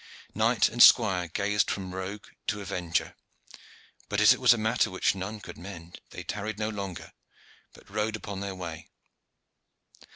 Knight and squire gazed from rogue to avenger, but as it was a matter which none could mend they tarried no longer, but rode upon their way.